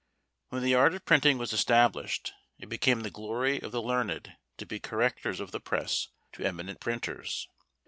When the art of printing was established, it became the glory of the learned to be correctors of the press to eminent printers.